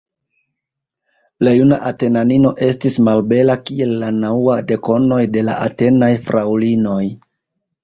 La juna Atenanino estis malbela, kiel la naŭ dekonoj de la Atenaj fraŭlinoj.